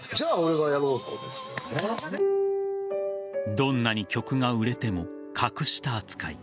どんなに曲が売れても格下扱い。